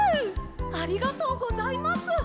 ありがとうございます！